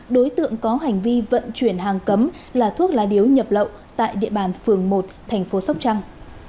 đối tượng có hành vi vận chuyển hàng cấm là thuốc lá điếu nhập lậu tại địa bàn phường một thành phố sóc trăng